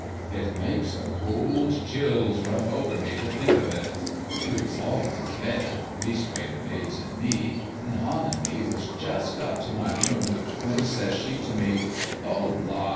"It makes the cold chills run over me to think of it. We was all gone to bed leastways the maids and me, and Hann and me was but just got to my room when says she to me, 'Oh la!